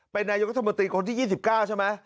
เป็นนายกรัฐมนตรีคนที่๒๙ใช่ไหม